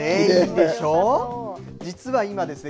実は今ですね